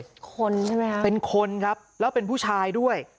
เป็นคนใช่ไหมคะเป็นคนครับแล้วเป็นผู้ชายด้วย